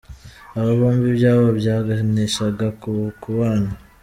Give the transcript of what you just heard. Aba bombi ibyabo byaganishaga ku kubana.